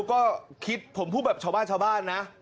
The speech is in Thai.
ก็คิดผมพูดแบบชาวบ้านนะ